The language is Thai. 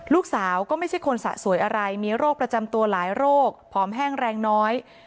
ลูกสาวก็ไม่ใช่คนสะสวยอะไรมีโรคประจำตัวหลายโรคผอมแห้งแรงน้อย